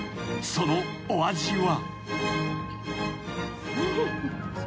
［そのお味は］